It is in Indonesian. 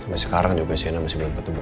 sampai sekarang juga cnn masih belum ketemu